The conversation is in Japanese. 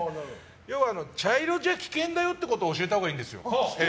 要は茶色じゃ危険だよということを教えたほうがいいんですよ。